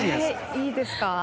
いいですか？